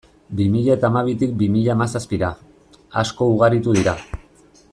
Bi mila eta hamabitik bi mila hamazazpira, asko ugaritu dira.